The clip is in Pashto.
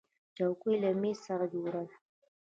چوکۍ له مېز سره جوړه ده.